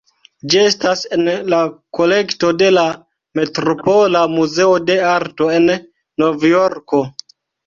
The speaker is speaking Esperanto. Ĝi estas en la kolekto de la Metropola Muzeo de Arto en Novjorko.